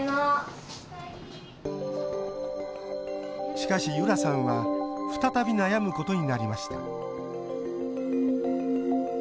しかし由空さんは再び悩むことになりました。